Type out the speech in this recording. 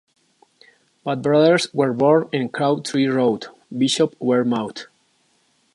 Both brothers were born in Crow Tree Road, Bishopwearmouth.